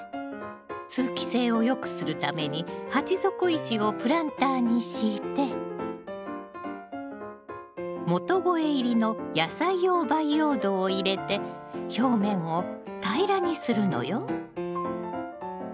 通気性を良くするために鉢底石をプランターに敷いて元肥入りの野菜用培養土を入れて表面を平らにするのよ。